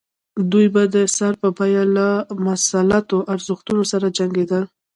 دوی به د سر په بیه له مسلطو ارزښتونو سره جنګېدل.